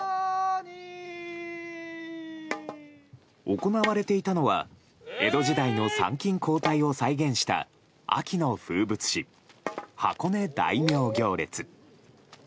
行われていたのは江戸時代の参勤交代を再現した秋の風物詩、箱根大名行列。